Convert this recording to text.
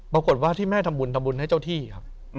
ปรากฏว่าที่แม่ทำบุญทำบุญให้เจ้าที่ครับ